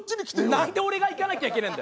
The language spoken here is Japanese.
何で俺が行かなきゃいけないんだ！